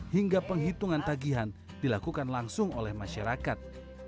hingga penghitungan tagihan dilakukan langsung oleh masyarakat